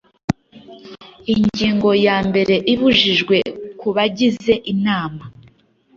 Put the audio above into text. ingingo ya mbere ibibujijwe ku bagize inama